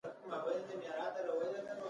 طلباو ته يې وويل شابه تاسې اودسونه وكئ.